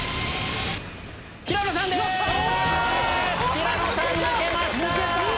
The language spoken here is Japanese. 平野さん抜けました！